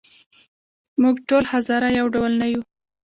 موږ ټول هزاره یو ډول نه یوو.